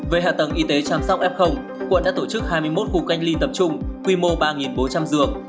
về hạ tầng y tế chăm sóc f quận đã tổ chức hai mươi một khu cách ly tập trung quy mô ba bốn trăm linh giường